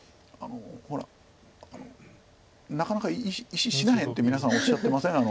ほら「なかなか石死なへん」って皆さんおっしゃってません？